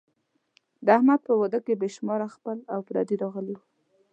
د احمد په واده کې بې شماره خپل او پردي راغلي وو.